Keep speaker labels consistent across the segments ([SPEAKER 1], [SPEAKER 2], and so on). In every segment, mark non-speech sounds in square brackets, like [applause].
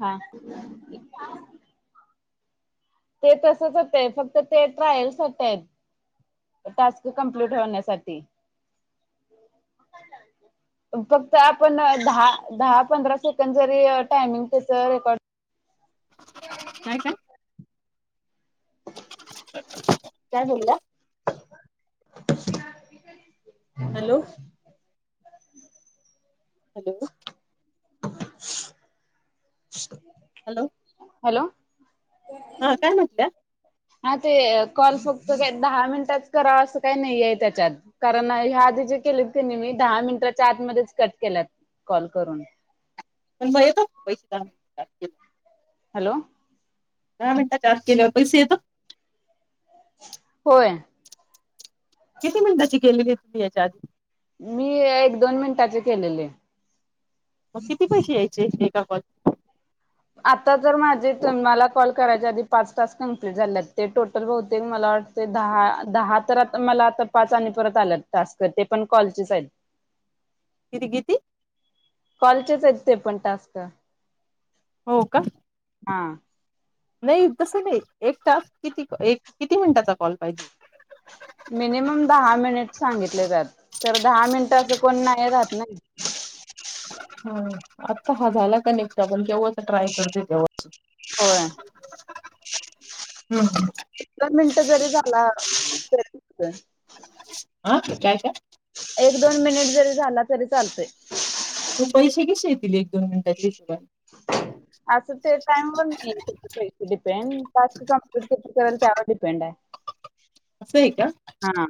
[SPEAKER 1] हा [inaudible] ते तसच होतय फक्त ते ट्रायल्स साठी आहेत टास्क कमप्लीट होण्यासाठी फक्त आपण दहा दहा पंधरा सेकंड जरी टायमिंग त्याच रेकॉर्ड - -
[SPEAKER 2] काय काय काय बोलला
[SPEAKER 1] [unintelligible]
[SPEAKER 2] हॅलो हॅलो
[SPEAKER 1] [inaudible]
[SPEAKER 2] हॅलो
[SPEAKER 1] हॅलो
[SPEAKER 2] हा काय म्हटल्या?
[SPEAKER 1] हा ते कॉल फक्त काय दहा मिनिटातच कराव असं काही नाहीय त्याच्यात कारण ह्या आधी जे केले त्यांनी मी दहा मिनिटाच्या आतमध्येच कट केल्यात कॉल करून
[SPEAKER 2] पण मग येतात पैसे [unintelligible]
[SPEAKER 1] हॅलो
[SPEAKER 2] दहा मिनटाच्या आत केल्यावर पैसे येतात?
[SPEAKER 1] होय.
[SPEAKER 2] किती मिनटाची केेलेली तुम्ही याच्या आधी?
[SPEAKER 1] मी एक दोन मिनिटाचे केलेले
[SPEAKER 2] मग किती पैसे यायचे यांचे? [inaudible]
[SPEAKER 1] आता जर माझे तुम्हाला कॉल करायच्या आधी पाच टास्क कंपलीट झालेत ते टोटल बहुतेक मला वाटतय दहा दहा तर मला पाच आणि परत आन ते पण कॉलचेच यत
[SPEAKER 2] किती, किती?
[SPEAKER 1] कॉलचेच आहेत ते पण टास्क.
[SPEAKER 2] हो का?
[SPEAKER 1] हा.
[SPEAKER 2] नाही तस नाही एक टास्क किती किती मिनिटाचा कॉल पाहिजे
[SPEAKER 1] मिनिमम दहा मिनिट सांगितले त्यात. खरं दहा मिनिट असं कोण नाही राहत नई.
[SPEAKER 2] हा आता हा झाला कनेक्ट आपण केव्हाच ट्राय करतो तेव्हाच.
[SPEAKER 1] होय.
[SPEAKER 2] हम्म
[SPEAKER 1] [unintelligible] मिनट जरी झाला तरी [inaudible]
[SPEAKER 2] हा काय ते?
[SPEAKER 1] एक दोन मिनिट जरी झाला तरी चालतय.
[SPEAKER 2] मग पैसे कसे येतील एक दोन मिनिटाच्या हिशोबाने
[SPEAKER 1] असं ते टाइमवर नाही ते पैसे डिपेंड टास्क कमप्लीट करल त्यावर डिपेंड आहे.
[SPEAKER 2] असंय का?
[SPEAKER 1] हा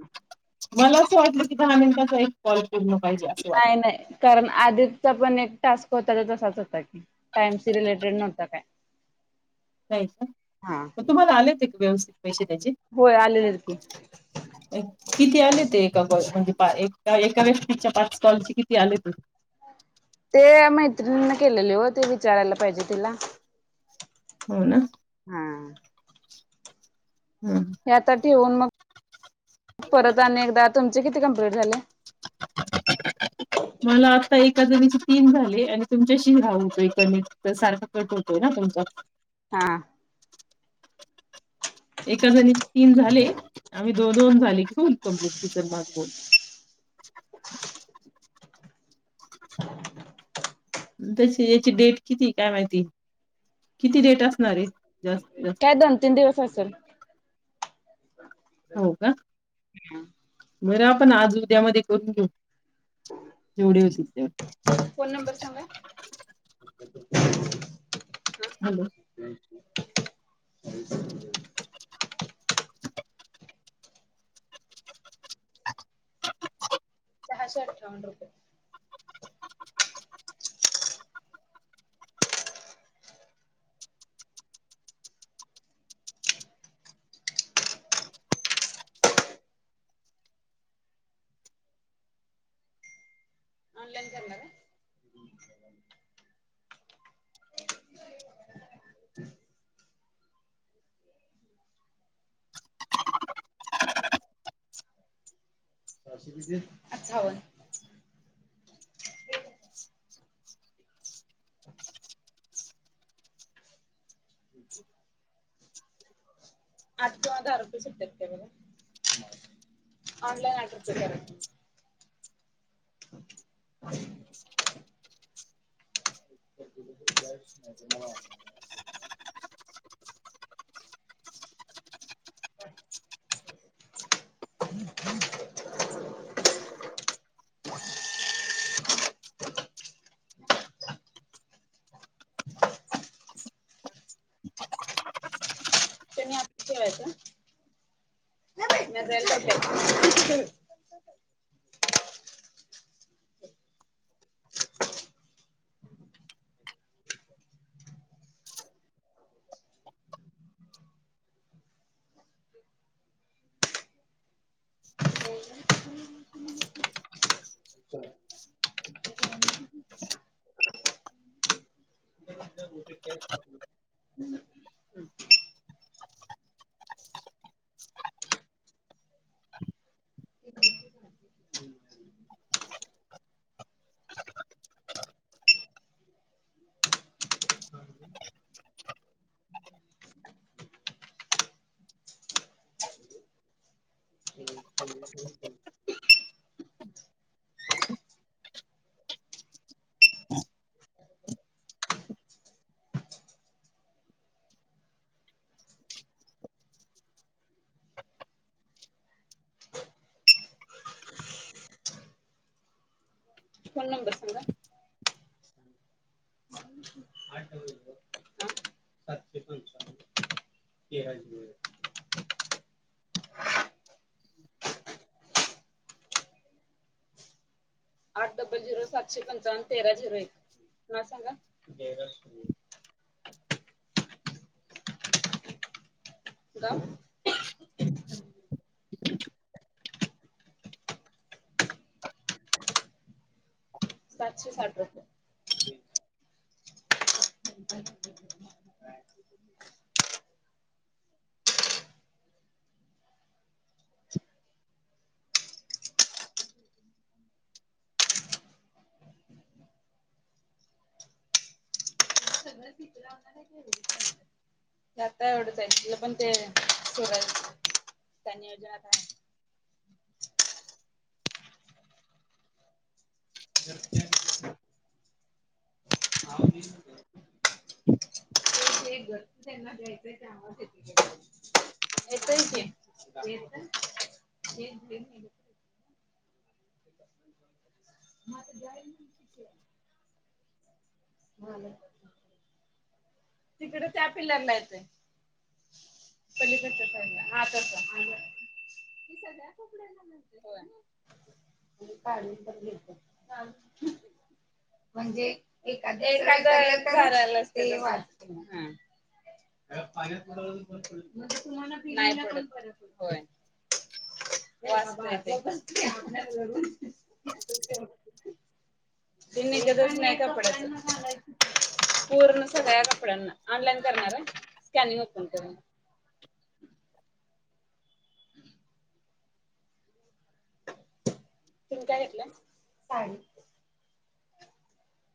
[SPEAKER 2] मला [unintelligible] वाटल की दहा मिनिटात [unintelligible] कॉल पूर्ण पाहिजे अस वाद
[SPEAKER 1] नाही नाही कारण आधीचा पण एक टास्क होता तो तसाच होता की. टाइम सी रिलेटेड नव्हता काय.
[SPEAKER 2] नाही
[SPEAKER 1] हा
[SPEAKER 2] का तुम्हाला आले ते व्यवस्थित. पैसे त्याचे?
[SPEAKER 1] होय आलेलेत की
[SPEAKER 2] किती आले ते एका कॉल म्हणजे एका एका व्यक्तीच्या पाच कॉलचे किती आले ते?
[SPEAKER 1] ते मैत्रिणीने केलेले ओ ते विचारायला पाहिजे तिला.
[SPEAKER 2] हो ना?
[SPEAKER 1] हा
[SPEAKER 2] रिकामा ऑडिओ
[SPEAKER 1] हे आता ठेवून मग परत आणि एकदा तुमचे किती कम्प्लीट झाले
[SPEAKER 2] [inaudible] मला आता एका जणीचे तीन झाले आणि तुमच्याशी हा होतोय कमी तर सारखा कट होतोय ना तुमचा
[SPEAKER 1] हा-हा
[SPEAKER 2] रिकामा ऑडिओ एका जणी तीन झाले आम्ही दोन दोन झाले [unintelligible] रिकामा ऑडिओ
[SPEAKER 1] रिकामा ऑडिओ
[SPEAKER 2] तशी याची डेट कितीये काय माहिती किती डेट असणार ये
[SPEAKER 1] काय दोन तीन दिवस असल
[SPEAKER 2] हो का
[SPEAKER 1] रिकामा ऑडिओ
[SPEAKER 2] बरं आपण आज उद्या मध्ये करून घेऊ जेवढे होतील तेव
[SPEAKER 1] फोन नंबर सांगा
[SPEAKER 2] हॅलो
[SPEAKER 1] रिकामा ऑडिओ सहाशे अठ्ठावन्न रुपये ऑनलाईन करणार का [unintelligible] सहासे किती अठ्ठावन [inaudible] रिकामा ऑडिओ आठ किंवा दहा रुपये सुट्टे आहेत का बघा. ऑनलाईन आठ रुपये करा की. रिकामा ऑडिओ [inaudible] जेवायच [inaudible] [inaudible] रिकामा ऑडिओ फोन नंबर सांगा सातशे [unintelligible] आठ डबल झिरो सातशे पंचावन्न तेरा झिरो एक म सांगा [unintelligible] [inaudible] सातशे साठ रुपये [unintelligible] रिकामा ऑडिओ हे अता एवढंच हाय हे पण ते सोडायचं. त्या नियोजनात हाय. रिकामा ऑडिओ रिकामा ऑडिओ हे घर त्यांना घ्यायचंय ते [unintelligible] येतोय की येतोय [unintelligible] [unintelligible] तिकड त्या पिल्लरला येतय पलीिकडच्या साईडला हा तस सगळ्यापड्या काढ म्हणजे [inaudible] हा या पाण्यात [unintelligible] नाही पडत फरक होय... [unintelligible] [unintelligible] तुम्ही काय घेतलंय साडी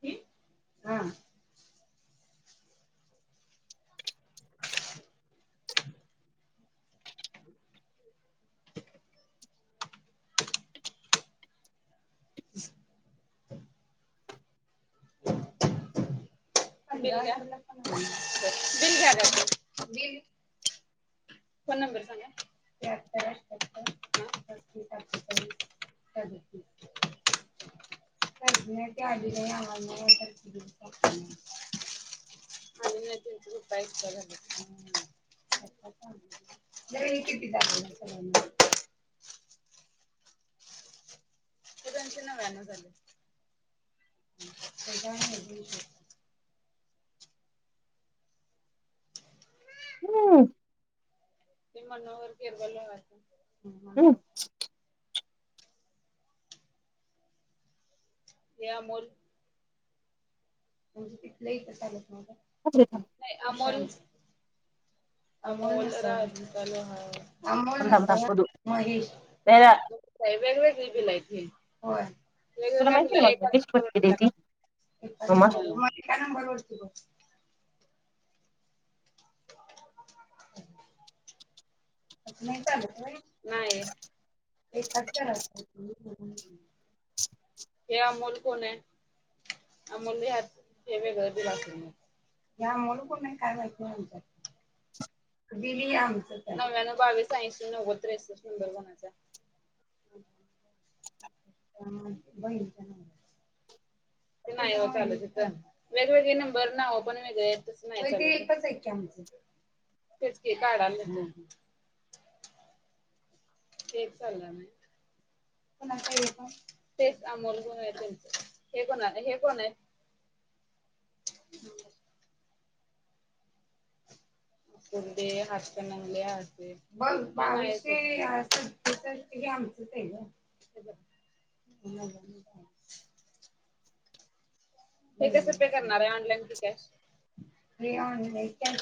[SPEAKER 1] ही हा [inaudible] [inaudible] अ बिल घ्या बिल घ्या बील........ फोन नंबर सांगा...... [unintelligible] [unintelligible] हे दोनशे नव्याण्णव झाले....
[SPEAKER 2] आम्
[SPEAKER 1] ते मनोहर केिरवले
[SPEAKER 2] हम्म
[SPEAKER 1] वार [inaudible] मी अमोल.... म्हणजे तिथलंही इथे चालेल,...
[SPEAKER 2] थांब
[SPEAKER 1] नाही अमोल अमोल [unintelligible] अमोल
[SPEAKER 2] थांब थांब
[SPEAKER 1] सर
[SPEAKER 2] बघू
[SPEAKER 1] महेश
[SPEAKER 2] त्याला
[SPEAKER 1] वेगवेगळी बिल येत ही.... होय वेग
[SPEAKER 2] तुला
[SPEAKER 1] वेगळे
[SPEAKER 2] माहिती
[SPEAKER 1] बिल
[SPEAKER 2] ना मग मी
[SPEAKER 1] एका.....
[SPEAKER 2] कशी पटके देती मम्मा
[SPEAKER 1] [unintelligible] नाही चालत होय नाही हे कट कर आधी हे अमोल कोण आहे अमोल घे आधी हे वेगळ दे हे अमोल कोण आहे काय माहित नाय नंतर.. बिलही आमचंच आहे नव्यानव बावीस ऐशी नव्वद त्रेसेट नंबर कोणाचाय अ बहिणीचा नंबर आहे..... ते नाही हो चालत इथ वेगवेगळे नंबर नाव पण वेगळेत तस नाही वय बी एकच आहे की आमचं तेच की काढाव लागेल... [unintelligible] [unintelligible] ते कस पे करणार ये... क्लेम टू कॅश.. मी आणलय कॅश....